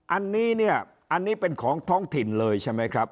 อันนี้เนี่ยอันนี้เป็นของท้องถิ่นเลยใช่ไหมครับ